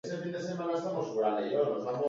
Hasieratik izan zen Euskal Telebistako aurpegi.